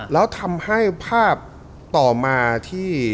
แล้วทำให้ภาพต่อมาที่